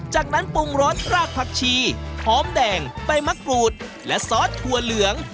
จากนั้นปรุงรสรากผักชีหอมแดงใบมะกรูดและซอสถั่วเหลือง